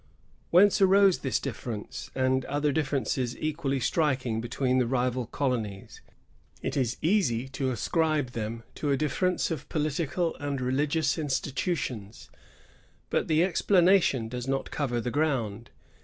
Whence arose this difference, and other differences equally striking, between the rival colonies? It is easy to ascribe them to a difference of political and religious institutions; but the explanation does not cover the ground.